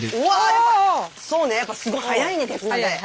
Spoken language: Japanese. やっぱそうねやっぱすごい早いね鉄鍋。